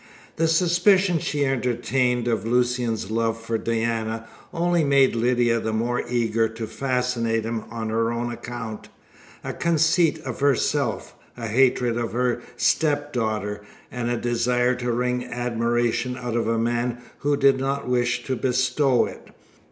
The suspicion she entertained of Lucian's love for Diana only made Lydia the more eager to fascinate him on her own account. A conceit of herself, a hatred of her stepdaughter, and a desire to wring admiration out of a man who did not wish to bestow it.